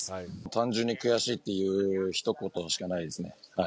単純に悔しいというひと言しかないですね。